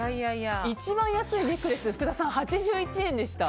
一番安いネックレス福田さん、８１円でした。